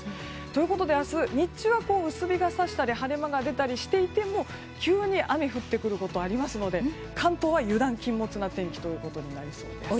ということで、明日日中は薄日が差したり晴れ間が出たりしていても急に雨が降ってくることがありますので関東は油断禁物な天気となりそうです。